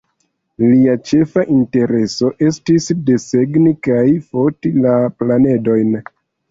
Lia ĉefa intereso estis desegni kaj foti la planedojn.